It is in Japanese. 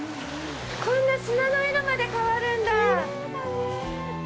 こんな砂の色まで変わるんだ。